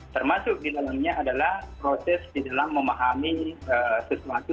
termasuk di dalamnya adalah proses di dalam memahami sesuatu